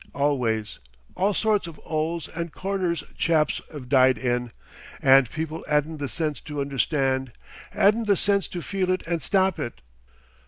Always. All sorts of 'oles and corners chaps 'ave died in. And people 'adn't the sense to understand, 'adn't the sense to feel it and stop it.